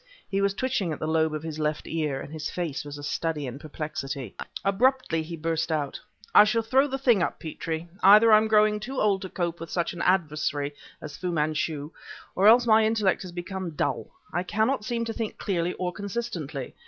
He was twitching at the lobe of his left ear, and his face was a study in perplexity. Abruptly he burst out: "I shall throw the thing up, Petrie! Either I am growing too old to cope with such an adversary as Fu Manchu, or else my intellect has become dull. I cannot seem to think clearly or consistently.